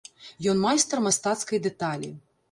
Ён майстар мастацкай дэталі.